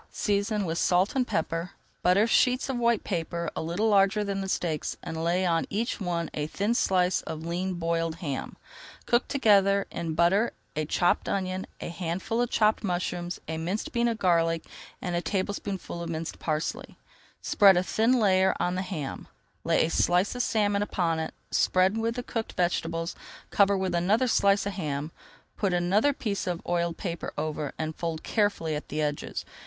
Season with salt and pepper. Butter sheets of white paper a little larger than the steaks and lay on each one a thin slice of lean boiled ham. Cook together in butter a chopped onion, a handful of chopped mushrooms, a minced bean of garlic, and a tablespoonful of minced parsley. [Page 274] Spread a thin layer on the ham, lay a slice of salmon upon it, spread with the cooked vegetables, cover with another slice of ham, put another piece of oiled paper over, and fold carefully at the edges.